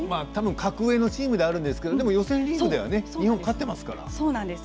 格上のチームではあるんですけど予選リーグでは日本勝ってますから。